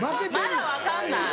まだ分かんない。